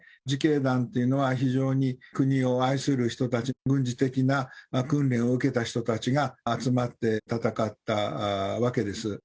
自警団というのは非常に国を愛する人たち、軍事的に訓練を受けた人たちが集まって、戦ったわけです。